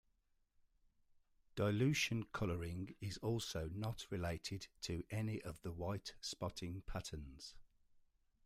Dilution coloring is also not related to any of the white spotting patterns.